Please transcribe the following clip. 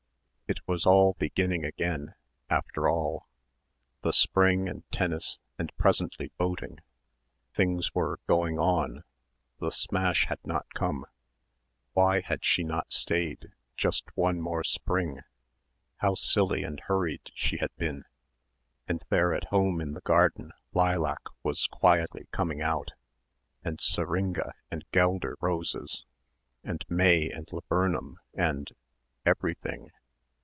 It was all beginning again, after all the spring and tennis and presently boating things were going on ... the smash had not come ... why had she not stayed ... just one more spring? ... how silly and hurried she had been, and there at home in the garden lilac was quietly coming out and syringa and guelder roses and May and laburnum and ... everything